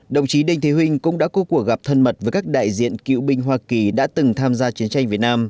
đồng chí đinh thế huynh cũng đã có cuộc gặp thân mật với các đại diện cựu binh hoa kỳ đã từng tham gia chiến tranh việt nam